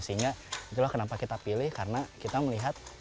sehingga itulah kenapa kita pilih karena kita melihat